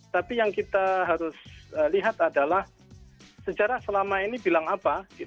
tapi yang kita harus lihat adalah sejarah selama ini bilang apa